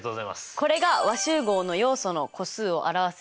これが和集合の要素の個数を表す式になります。